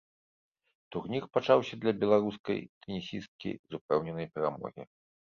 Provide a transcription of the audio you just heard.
Турнір пачаўся для беларускай тэнісісткі з упэўненай перамогі.